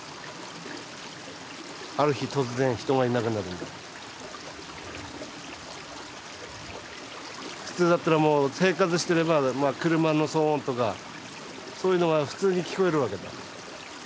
いやもうだって普通だったらもう生活してれば車の騒音とかそういうのが普通に聞こえるわけだ。